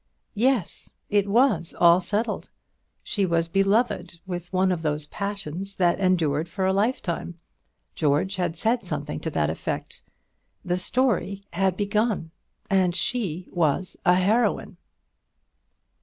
Yes, it was all settled; she was beloved with one of those passions that endure for a lifetime. George had said something to that effect. The story had begun, and she was a heroine.